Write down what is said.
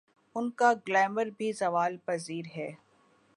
ان کا گلیمر بھی زوال پذیر ہے۔